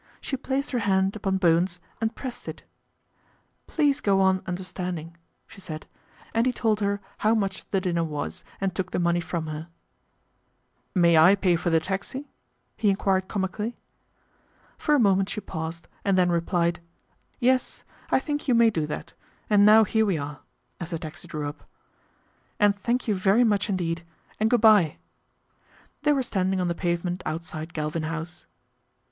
She placed her hand upon Bowen's and pressed it. ADVENTURE AT THE QUADRANT 39 '* Please go on understanding," she said, and he told her how much the dinner was and took the money from her. r " May I pay for the taxi ?" he enquired comi cally. ' For a moment she paused and then replied ' Yes, I think you may do that, and now here we are," as the taxi drew up, " and thank you very much indeed, and good bye." They were stand ing on the pavement outside Galvin House.